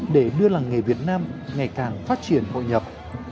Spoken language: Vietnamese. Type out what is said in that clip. để đưa làng nghề việt nam ngày càng phát triển hội nhập